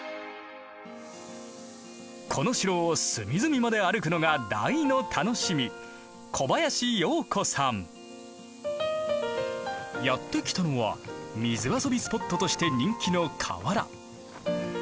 この城を隅々まで歩くのが大の楽しみやって来たのは水遊びスポットとして人気の河原。